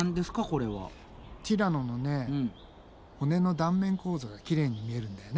ティラノのね骨の断面構造がきれいに見えるんだよね。